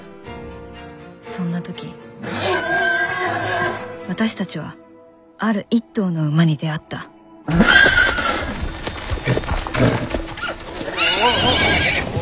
そんな時私たちはある一頭の馬に出会ったおおおお。